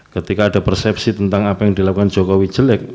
ketika ada persepsi tentang apa yang dilakukan jokowi jelek